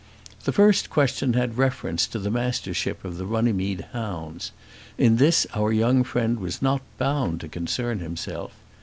The first question had reference to the Mastership of the Runnymede hounds. In this our young friend was not bound to concern himself.